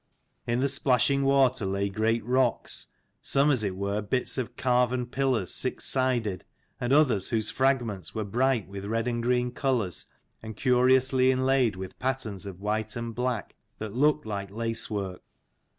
In the splashing water lay great rocks, some as it were bits of carven pillars six sided, and others whose fragments were bright with red and green colours, and curiously inlaid with patterns of white and black that looked like lace work.